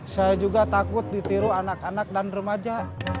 saya juga takut ditiru anak anak dan remaja